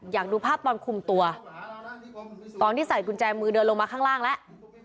อยากดูภาพตอนคุมตัวตอนที่ใส่กุญแจมือเดินลงมาข้างล่างแล้ว